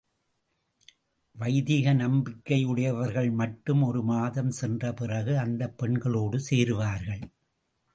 வைதிக நம்பிக்கையுடையவர்கள் மட்டும் ஒரு மாதம் சென்ற பிறகே அந்தப் பெண்களோடு சேருவார்கள்.